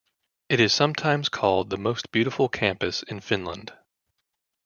It is sometimes called the most beautiful campus in Finland.